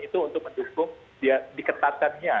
itu untuk mendukung diketatkannya